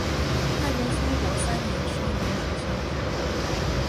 太平兴国三年升涟水县置。